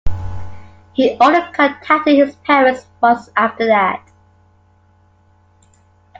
He only contacted his parents once after that.